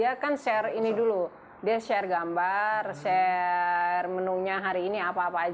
iya dia kan share ini dulu dia share gambar share menu nya hari ini apa apa aja dikasih pilihan